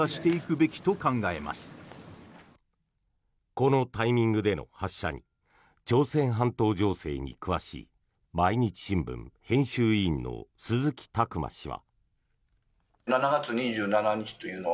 このタイミングでの発射に朝鮮半島情勢に詳しい毎日新聞編集委員の鈴木琢磨氏は。